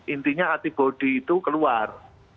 intinya antibodi itu keluar